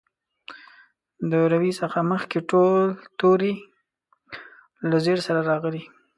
د روي څخه مخکې ټول توري له زېر سره راغلي.